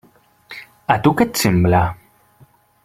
A tu què et sembla?